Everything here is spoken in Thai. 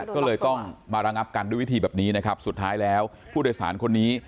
ก็เลยต้องมาระงับกันด้วยวิธีแบบนี้นะครับสุดท้ายแล้วผู้โดยสารคนนี้